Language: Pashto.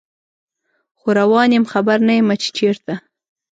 خو روان یم خبر نه یمه چې چیرته